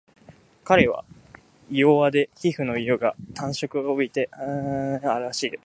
彼は胃弱で皮膚の色が淡黄色を帯びて弾力のない不活発な徴候をあらわしている